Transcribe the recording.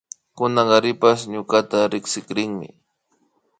Kunankarishpa ñukata riksirinmi